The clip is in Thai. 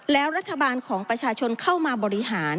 แล้วรัฐบาลของประชาชนเข้ามาบริหาร